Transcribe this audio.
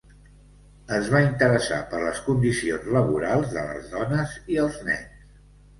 Es va interessar per les condicions laborals de les dones i els nens.